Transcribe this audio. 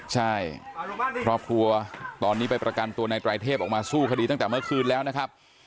ใช่ครอบครัวตอนนี้ไปประกันตัวในไตรเทพออกมาสู้คดีตั้งแต่เมื่อคืนแล้วนะครับ